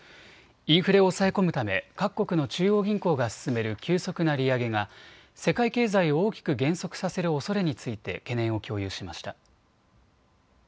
インフレを抑え込むため各国の中央銀行が進める急速な利上げが世界経済を大きく減速させるおそれについて懸念を共有しました。